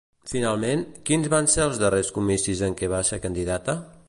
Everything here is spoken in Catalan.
Finalment, quins van ser els darrers comicis en què va ser candidata?